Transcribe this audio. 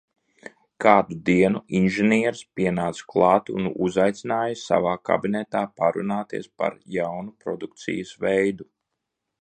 Kādu dienu inženieris pienāca klāt un uzaicināja savā kabinetā parunāties par jaunu produkcijas veidu.